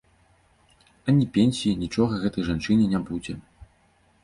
А ні пенсіі, нічога гэтай жанчыне не будзе.